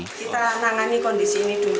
kita menangani kondisi ini